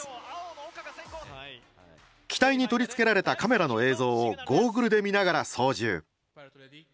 機体に取り付けられたカメラの映像をゴーグルで見ながら操縦。